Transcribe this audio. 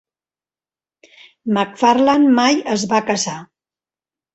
McFarlane mai es va casar.